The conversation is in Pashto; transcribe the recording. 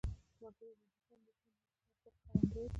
وګړي د افغانستان د اقلیمي نظام یوه ښه ښکارندوی ده.